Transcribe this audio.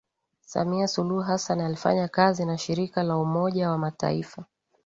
Samia Suluhu Hassan alifanya kazi na shirika la umoja wa mataifa